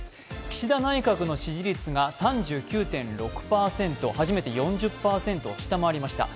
岸田内閣の支持率が初めて４０％を下回りました。